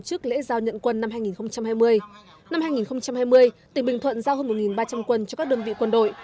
tổ chức lễ giao nhận quân năm hai nghìn hai mươi năm hai nghìn hai mươi tỉnh bình thuận giao hơn một ba trăm linh quân cho các đơn vị quân đội